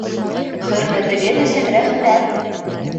Хөрмәтегеҙ өсөн рәхмәт.